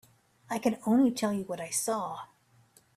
I can only tell you what I saw.